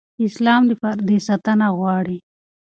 اسلام د پردې ساتنه غواړي.